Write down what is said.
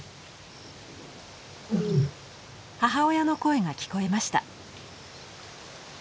・母親の声が聞こえました。